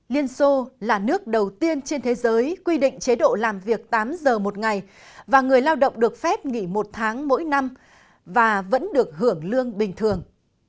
liên xô là nước đầu tiên trên thế giới quy định chế độ làm việc tám giờ một ngày và người lao động được phép nghỉ một tháng mỗi năm và vẫn được hưởng lương bình thường